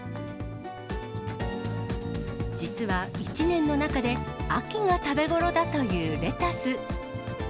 実は、一年の中で秋が食べ頃だというレタス。